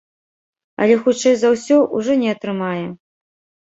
Але, хутчэй за ўсё, ужо не атрымае.